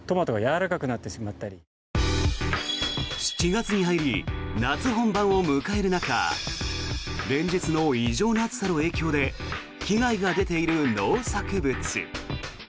７月に入り夏本番を迎える中連日の異常な暑さの影響で被害が出ている農作物。